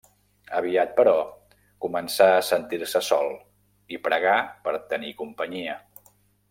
Aviat, però, començà a sentir-se sol i pregà per tenir companyia.